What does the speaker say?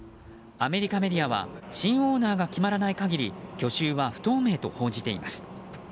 アメリカメディアは新オーナーが決まらない限り去就は不透明と報じています。